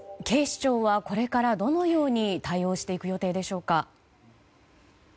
警視庁はこれからどのように対応していく予定でしょうか。